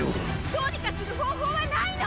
どうにかする方法はないの？